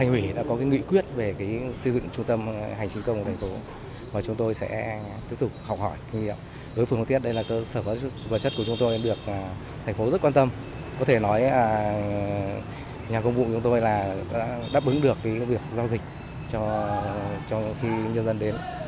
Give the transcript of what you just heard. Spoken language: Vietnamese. và nhà công vụ chúng tôi đã đáp ứng được việc giao dịch cho khi nhân dân đến